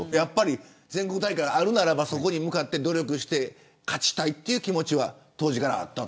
全国大会があるならばそこに向かって努力して勝ちたいって気持ちは当時からあったと。